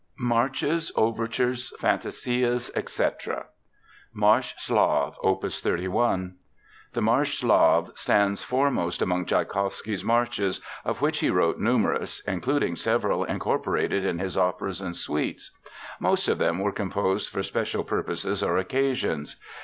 MARCHES, OVERTURES, FANTASIAS, ETC. Marche Slave, OPUS 31 The Marche Slave stands foremost among Tschaikowsky's marches, of which he wrote numerous, including several incorporated in his operas and suites. Most of them were composed for special purposes or occasions.